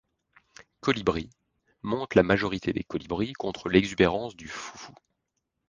Colibri monte la majorité des colibris contre l'exubérance du Foufou.